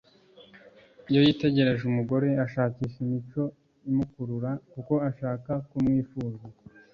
iyo yitegereje umugore ashakisha imico imukurura kuko ashaka kumwifuza